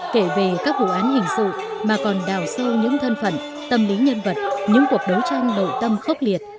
kể về các vụ án hình sự mà còn đào sâu những thân phận tâm lý nhân vật những cuộc đấu tranh đội tâm khốc liệt